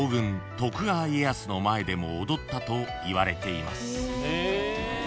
徳川家康の前でも踊ったといわれています］